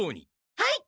はい。